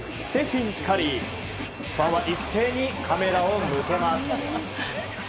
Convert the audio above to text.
ファンは一斉にカメラを向けます。